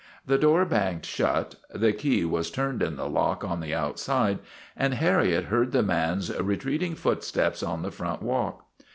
The door banged shut, the key was turned in the lock on the outside, and Harriet heard the man's retreating footsteps on the front walk.